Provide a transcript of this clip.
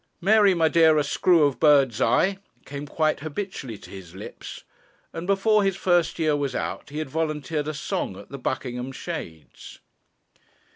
'Mary, my dear, a screw of bird's eye!' came quite habitually to his lips; and before his fist year was out, he had volunteered a song at the Buckingham Shades.